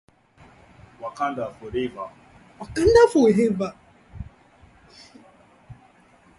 What’s the matter with the dog?